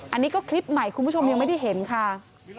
อันนี้ก็คลิปใหม่คุณผู้ชมยังไม่ได้เห็นค่ะ